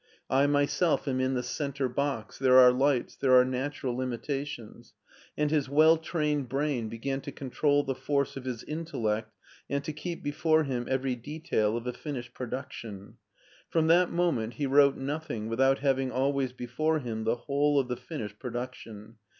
I myself am in the center box ; there are lights, there are natural limitations'*; and his well trained brain began to control the force of his intellect and to keep before him every detail of a finished production. From that moment he wrote nothing without having always before him the whole of the finished production.